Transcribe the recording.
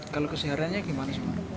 kalau kesehariannya gimana